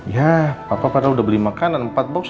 yah papa padahal udah beli makanan empat box lagi